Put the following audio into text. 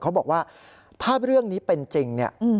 เขาบอกว่าถ้าเรื่องนี้เป็นจริงเนี่ย